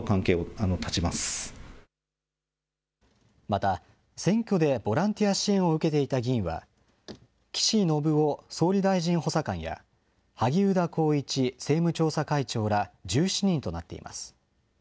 また、選挙でボランティア支援を受けていた議員は、岸信夫総理大臣補佐官や、萩生田光一政務調査会長ら１７人となっています。